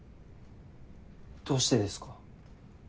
どうしてですか？